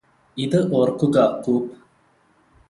ഇത് ഓർക്കുക കൂപ്പ്